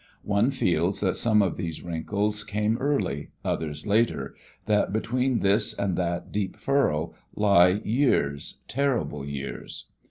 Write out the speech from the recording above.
One feels that some of these wrinkles came early, others later, that between this and that deep furrow lie years, terrible years.